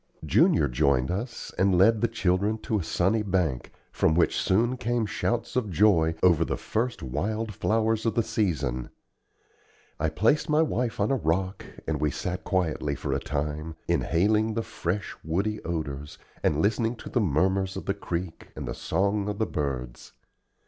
Junior joined us, and led the children to a sunny bank, from which soon came shouts of joy over the first wildflowers of the season. I placed my wife on a rock, and we sat quietly for a time, inhaling the fresh woody odors, and listening to the murmurs of the creek and the song of the birds.